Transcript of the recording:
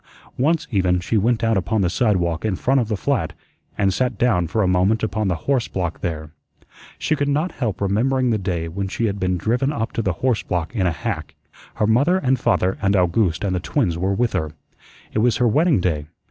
Once, even, she went out upon the sidewalk in front of the flat and sat down for a moment upon the horse block there. She could not help remembering the day when she had been driven up to that horse block in a hack. Her mother and father and Owgooste and the twins were with her. It was her wedding day.